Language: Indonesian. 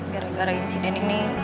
gara gara insiden ini